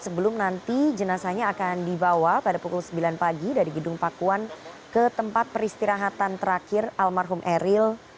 sebelum nanti jenazahnya akan dibawa pada pukul sembilan pagi dari gedung pakuan ke tempat peristirahatan terakhir almarhum eril